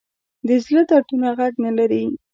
د زړه دردونه غږ نه لري